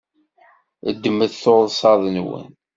Ddmet tursaḍ-nwen.